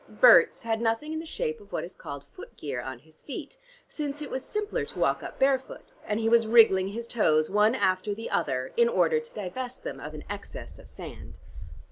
Berts had nothing in the shape of what is called foot gear on his feet, since it was simpler to walk up barefoot, and he was wriggling his toes, one after the other, in order to divest them of an excess of sand.